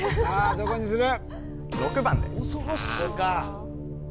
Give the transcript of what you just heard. どこにする？